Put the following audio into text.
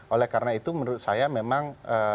oleh karena itu menurut saya memang